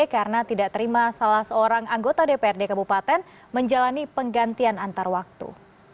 karena tidak terima salah seorang anggota dprd kabupaten menjalani penggantian antar waktu